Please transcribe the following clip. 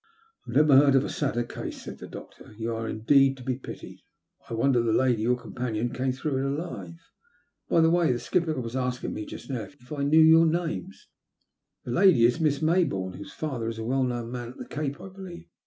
''I never heard a sadder case," said the doctor. ''You are indeed to be pitied. I wonder the lady, your companion, came through it alive. By the way. WE ABB SAVED. 208 tlie skipper was asking me jast now if I knew your names." The lady is Miss Mayboume, whose father is a well known man at the Cape, I believe."